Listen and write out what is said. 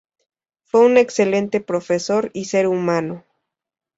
Fue un excelente profesor y ser humano.